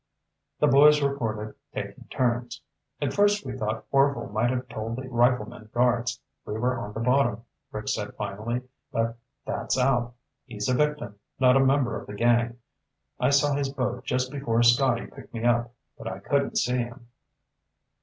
The boys reported, taking turns. "At first we thought Orvil might have told the riflemen guards we were on the bottom," Rick said finally, "but that's out. He's a victim, not a member of the gang. I saw his boat just before Scotty picked me up, but I couldn't see him."